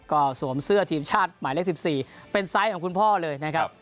ก็สวมเสื้อทีมชาติหมายเลข๑๔เป็นไซส์ของคุณพ่อเลยนะครับ